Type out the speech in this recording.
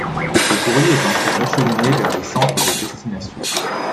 Ce courrier est ensuite acheminé vers les centres de destination.